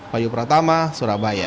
bayu pratama surabaya